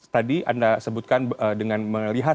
tadi anda sebutkan dengan melihat